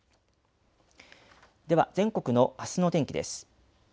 では、全国の明日の天気です。